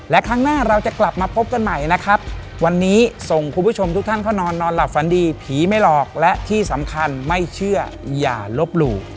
และครั้งหน้าเราจะกลับมาพบกันใหม่นะครับวันนี้ส่งคุณผู้ชมทุกท่านเข้านอนนอนหลับฝันดีผีไม่หลอกและที่สำคัญไม่เชื่ออย่าลบหลู่